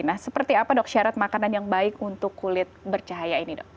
nah seperti apa dok syarat makanan yang baik untuk kulit bercahaya ini dok